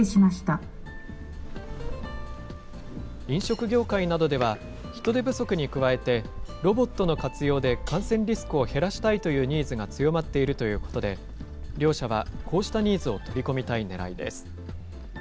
飲食業界などでは、人手不足に加えて、ロボットの活用で感染リスクを減らしたいというニーズが強まっているということで、両社はこうしたニーズを取り込みたいねらいです。